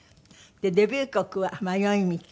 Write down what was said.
デビュー曲は『迷い道』。